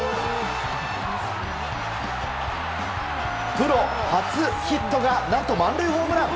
プロ初ヒットが何と満塁ホームラン！